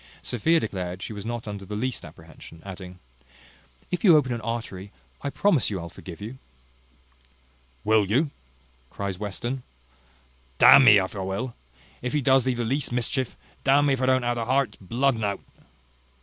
Sophia declared she was not under the least apprehension; adding, "If you open an artery, I promise you I'll forgive you." "Will you?" cries Western: "D n me, if I will. If he does thee the least mischief, d n me if I don't ha' the heart's blood o'un out."